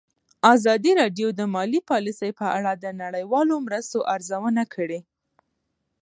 ازادي راډیو د مالي پالیسي په اړه د نړیوالو مرستو ارزونه کړې.